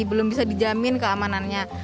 belum bisa dijamin keamanannya